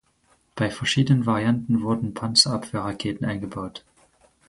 Bei verschiedenen Varianten wurden Panzerabwehrraketen eingebaut.